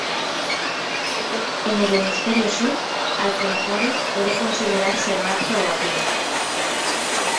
En el hemisferio sur, al contrario, puede considerarse marzo o abril.